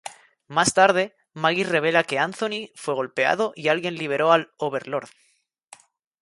Más tarde, Maggie revela que Anthony fue golpeado y alguien liberó al "Overlord".